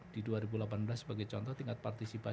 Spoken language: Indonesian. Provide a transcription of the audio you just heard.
di dua ribu delapan belas sebagai contoh tingkat partisipasi